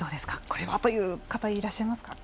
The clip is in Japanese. これはという方いらっしゃいますか？